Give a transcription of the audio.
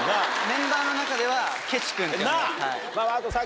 メンバーの中ではケチ君って呼んでます。